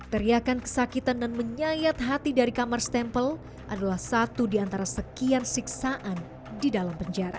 teriakan kesakitan dan menyayat hati dari kamar stempel adalah satu di antara sekian siksaan di dalam penjara